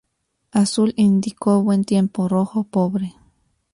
Azul indicó buen tiempo, rojo pobre.